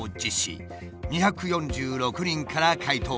２４６人から回答を得た。